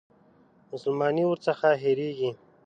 مسلماني ورڅخه هېرېږي.